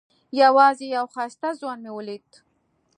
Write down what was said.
یوازې یو ښایسته ځوان مې ولید.